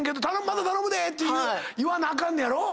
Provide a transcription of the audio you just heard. また頼むでって言わなあかんのやろ？